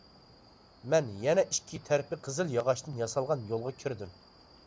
مەن يەنە ئىككى تەرىپى قىزىل ياغاچتىن ياسالغان يولغا كىردىم.